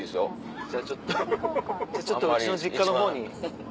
じゃあちょっとうちの実家の方にちらっと。